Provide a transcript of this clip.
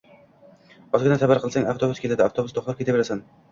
Ozgina sabr qilsang, avtobus keladi. Avtobusda uxlab ketaverasan.